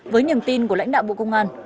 với nhầm tin của lãnh đạo bộ công an